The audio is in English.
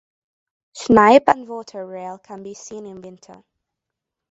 Snipe and water rail can be seen in winter.